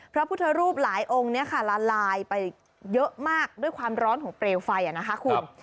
พระพุทธรูปหลายองค์นี้ค่ะละลายไปเยอะมากด้วยความร้อนของเปลวไฟนะคะคุณ